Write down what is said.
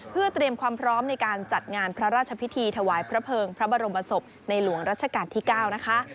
เพื่อเตรียมความพร้อมในการจัดงานพระราชพิธีถวายพระเภิงพระบรมศพในหลวงรัชกาลที่๙นะคะ